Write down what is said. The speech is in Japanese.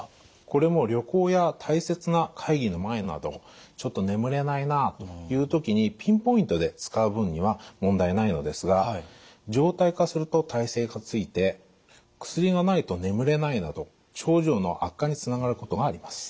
これも旅行や大切な会議の前などちょっと眠れないなという時にピンポイントで使う分には問題ないのですが常態化すると耐性がついて薬がないと眠れないなど症状の悪化につながることがあります。